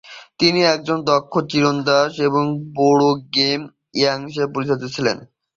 তিনি একজন দক্ষ তীরন্দাজ এবং বড় গেম হান্টার হিসেবে পরিচিত ছিলেন।